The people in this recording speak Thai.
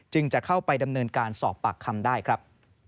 จะเข้าไปดำเนินการสอบปากคำได้ครับ